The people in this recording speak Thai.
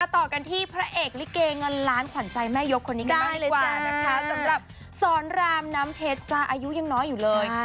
ต่อกันที่พระเอกลิเกเงินล้านขวัญใจแม่ยกคนนี้กันบ้างดีกว่านะคะสำหรับสอนรามน้ำเพชรจ้าอายุยังน้อยอยู่เลย